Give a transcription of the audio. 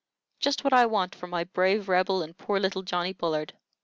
"Just what I want for my brave Rebel and poor little Johnny Bullard."